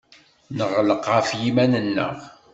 Neɣleq ɣef yiman-nneɣ.